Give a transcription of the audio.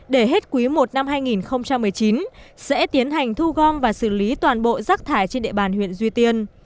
để hết quý i năm hai nghìn một mươi chín sẽ tiến hành thu gom và xử lý toàn bộ rác thải trên địa bàn huyện duy tiên